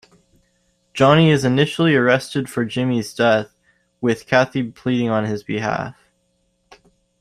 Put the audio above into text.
Johnny is initially arrested for Jimmy's death, with Kathie pleading on his behalf.